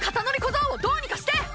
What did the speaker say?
のり小僧をどうにかして！